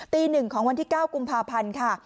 ๑ของวันที่๙กุมภาพันธ์ค่ะ